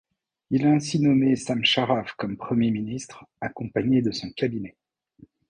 Il a ainsi nommé Essam Charaf comme Premier ministre, accompagné de son cabinet.